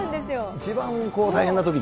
一番大変なときだ。